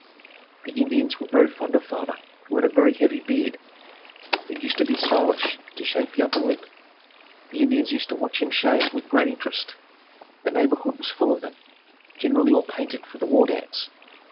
The Indians were very fond of father who had a very heavy beard. It used to be stylish to shave the upper lip. The Indians used to watch him shave with great interest. The neighborhood was full of them, generally all painted for the war dance.